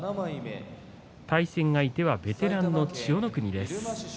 対戦相手はベテランの千代の国です。